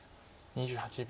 ２８秒。